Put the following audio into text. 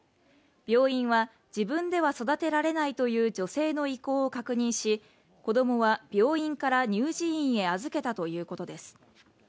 病院は自分では育てられないという女性の意向を確認し、子供は病院から乳児院へ預けたということです。